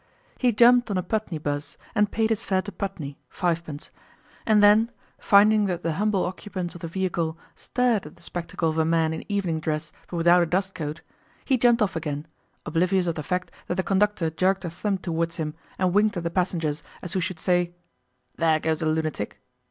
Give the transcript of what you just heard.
He jumped on a Putney bus, and paid his fair to Putney, fivepence, and then, finding that the humble occupants of the vehicle stared at the spectacle of a man in evening dress but without a dustcoat, he jumped off again, oblivious of the fact that the conductor jerked a thumb towards him and winked at the passengers as who should say, 'There goes a lunatic.